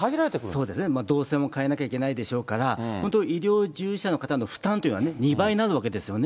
そうですね、動線も変えなきゃいけないでしょうから、本当、医療従事者の方の負担というのは２倍になるわけですよね。